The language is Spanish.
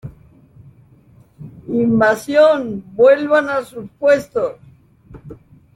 ¡ Invasión! ¡ vuelvan a sus puestos !